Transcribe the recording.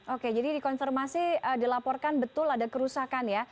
oke jadi di konfirmasi dilaporkan betul ada kerusakan ya